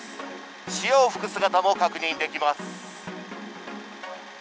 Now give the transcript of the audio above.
潮を吹く姿も確認できます。